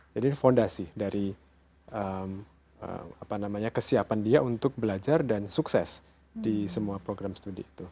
jadi ini fondasi dari kesiapan dia untuk belajar dan sukses di semua program studi itu